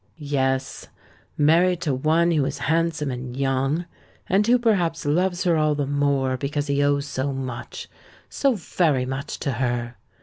"Yes—married to one who is handsome and young, and who perhaps loves her all the more because he owes so much—so very much to her!